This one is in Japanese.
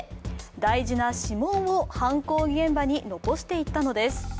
大事な指紋を犯行現場に残していったのです。